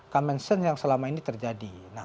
common sense yang selama ini terjadi